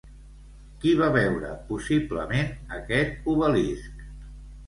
Qui va veure, possiblement, aquest obelisc?